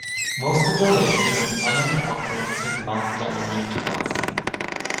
Most of the lake is in unincorporated Montgomery County.